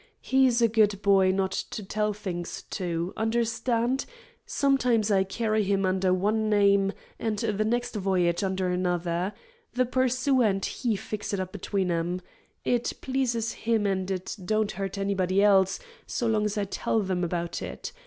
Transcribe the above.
He's a good boy not to tell things to. Understand? Sometimes I carry him under one name, and the next voyage under another. The purser and he fix it up between 'em. It pleases him, and it don't hurt anybody else, so long as I tell them about it.